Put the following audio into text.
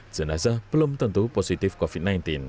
jenazah belum tentu positif covid sembilan belas